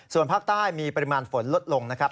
ส่วนภาคใต้มีปริมาณฝนลดลงนะครับ